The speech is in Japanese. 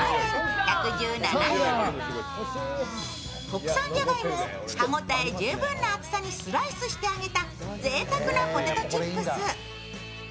国産じゃがいもを歯応え十分な厚さにスライスして揚げたぜいたくなポテトチップス。